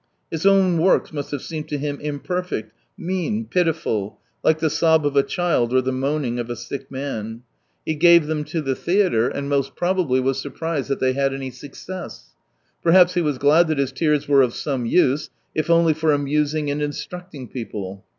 His own works must have seemed to him imper fect, mean, pitiful, like the sob of a child or the moaning of a sick man. He gave 197 them to the theatre, and most probably was surprised that they had any success. Per haps he was glad that his tears were of some use, if only for amusing and instructing people.